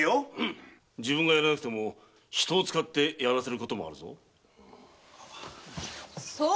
自分がやらなくても人を使ってやらせることもあるだろう。